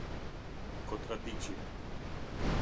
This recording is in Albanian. Kotradiqi